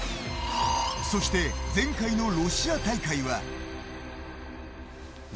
そして、前回のロシア大会は。